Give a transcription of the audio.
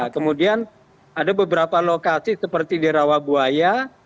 kemudian ada beberapa lokasi seperti di rawabuaya